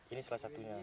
ini salah satunya